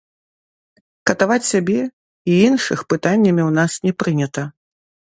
Катаваць сябе і іншых пытаннямі ў нас не прынята.